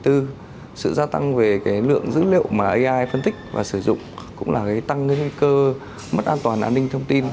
thứ tư sự gia tăng về lượng dữ liệu mà ai phân tích và sử dụng cũng là tăng nguy cơ mất an toàn an ninh thông tin